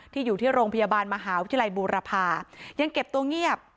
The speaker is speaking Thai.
อยู่ที่โรงพยาบาลมหาวิทยาลัยบูรพายังเก็บตัวเงียบ